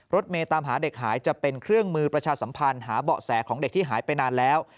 เมย์ตามหาเด็กหายจะเป็นเครื่องมือประชาสัมพันธ์หาเบาะแสของเด็กที่หายไปนานแล้ว